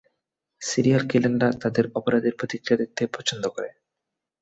Serial কিলাররা তাদের অপরাধের প্রতিক্রিয়া দেখতে পছন্দ করে।